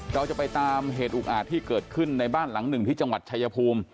เราจะไปตามเหตุอุกอาจที่เกิดขึ้นในบ้านหลังหนึ่งที่จังหวัดชายภูมิ